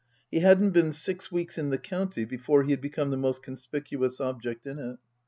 He hadn't been six weeks in the county before he had become the most conspicuous object in it.